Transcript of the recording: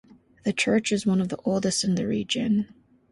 The church is one of the oldest in the region.